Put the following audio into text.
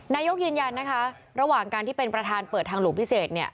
นายกยืนยันนะคะระหว่างการที่เป็นประธานเปิดทางหลวงพิเศษ